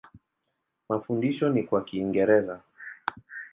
Mafundisho ni kwa Kiingereza.